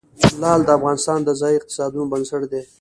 لعل د افغانستان د ځایي اقتصادونو بنسټ دی.